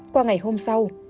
qua ngày hôm sau